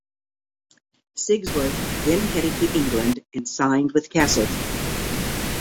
Sigsworth then headed to England and signed with Castleford.